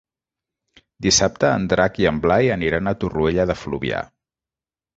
Dissabte en Drac i en Blai aniran a Torroella de Fluvià.